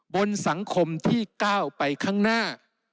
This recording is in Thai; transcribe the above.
บนสังคมที่ก้าวไปข้างหน้า